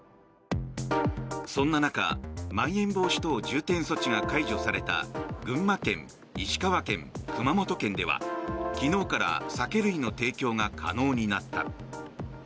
そんな中まん延防止等重点措置が解除された群馬県、石川県、熊本県では昨日から酒類の提供が可能になった。